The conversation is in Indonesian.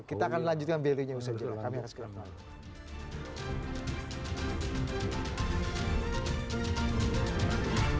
kita akan lanjutkan valuenya usai usai